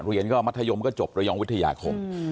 เรียนก็มัธยมก็จบระยองวิทยาคม